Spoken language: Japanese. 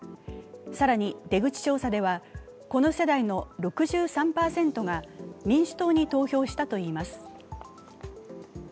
更に、出口調査ではこの世代の６３％が民主党に投票したといいます。